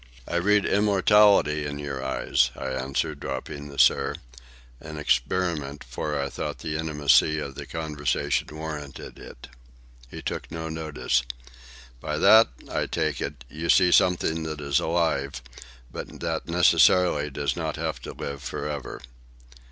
"I read immortality in your eyes," I answered, dropping the "sir,"—an experiment, for I thought the intimacy of the conversation warranted it. He took no notice. "By that, I take it, you see something that is alive, but that necessarily does not have to live for ever."